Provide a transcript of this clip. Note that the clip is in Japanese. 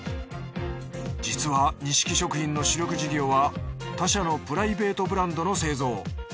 実はにしき食品の主力事業は他社のプライベートブランドの製造。